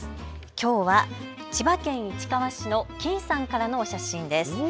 きょうは千葉県市川市のｋｉｎさんからのお写真です。